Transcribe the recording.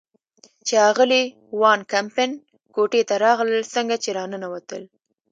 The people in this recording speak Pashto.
چې اغلې وان کمپن کوټې ته راغلل، څنګه چې را ننوتل.